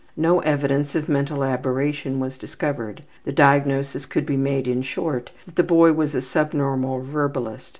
No evidence of mental aberration was discovered. The diagnosis could be made, in short, that the boy was a subnormal verbalist.